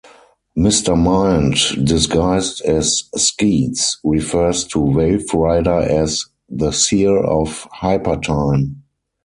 Mister Mind, disguised as Skeets, refers to Waverider as "the seer of Hypertime".